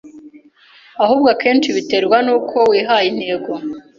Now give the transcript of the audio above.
ahubwo akenshi biterwa n’uko wihaye intego